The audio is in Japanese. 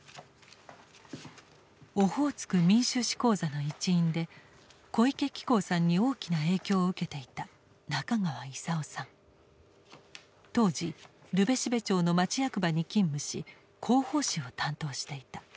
「オホーツク民衆史講座」の一員で小池喜孝さんに大きな影響を受けていた当時留辺蘂町の町役場に勤務し広報誌を担当していた。